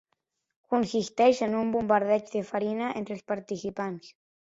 Consisteix en un bombardeig de farina entre els participants.